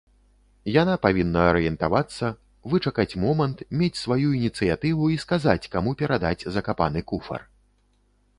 Яна павінна арыентавацца, вычакаць момант, мець сваю ініцыятыву і сказаць, каму перадаць закапаны куфар.